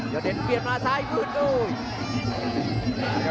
ยอดเดชน์เปลี่ยนมาซ้ายรุ่นดู